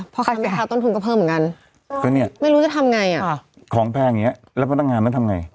เพราะค่ะต้นทุนก็เพิ่มเหมือนกันไม่รู้จะทำไงอ่ะของแพงอย่างเงี้ยรับพนักงานมันทำไง